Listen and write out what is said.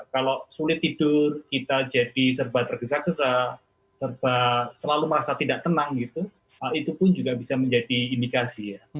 kalau sulit tidur kita jadi serba tergesa gesa serba selalu merasa tidak tenang gitu itu pun juga bisa menjadi indikasi ya